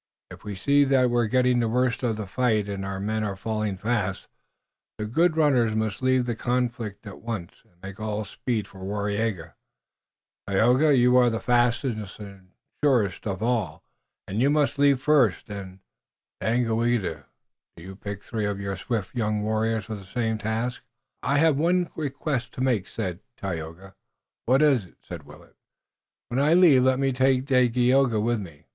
"If we see that we are getting the worst of the fight and our men are falling fast, the good runners must leave the conflict at once and make all speed for Waraiyageh. Tayoga, you are the fastest and surest of all, and you must leave first, and, Daganoweda, do you pick three of your swift young warriors for the same task." "I have one request to make," said Tayoga. "What is it?" "When I leave let me take Dagaeoga with me.